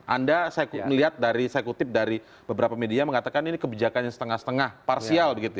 anda saya kutip dari beberapa media mengatakan ini kebijakan yang setengah setengah parsial